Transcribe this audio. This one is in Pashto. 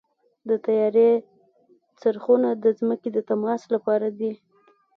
د طیارې څرخونه د ځمکې د تماس لپاره دي.